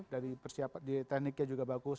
dari persiapan di tekniknya juga bagus